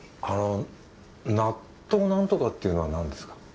あの納豆なんとかっていうのは何ですか？